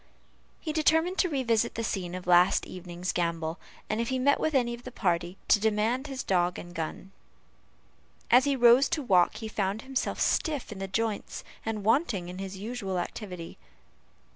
He determined to revisit the scene of the last evening's gambol, and if he met with any of the party, to demand his dog and gun. As he rose to walk, he found himself stiff in the joints, and wanting in his usual activity.